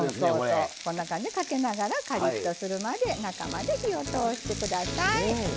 かけならがカリッとするまで中まで火を通してください。